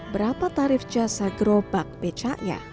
berapa tarif jasa gerobak becaknya